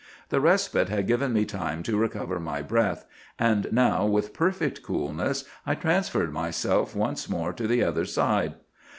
The respite had given me time to recover my breath, and now with perfect coolness I transferred myself once more to the other side.